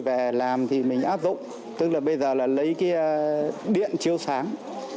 và làm thì mình áp dụng tức là bây giờ là lấy cái điện chiêu sáng